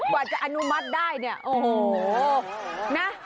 กว่าจะอนุมัติได้เนี่ย